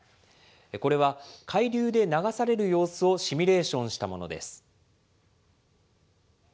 これは、海流で流される様子をシミュレーションしたものです。